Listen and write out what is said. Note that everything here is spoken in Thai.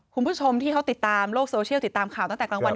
คุณผู้ชมที่เขาติดตามโลกโซเชียลติดตามข่าวตั้งแต่กลางวัน